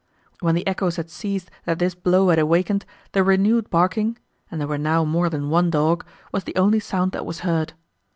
When the echoes had ceased, that this blow had awakened, the renewed barking,—and there were now more than one dog,—was the only sound, that was heard.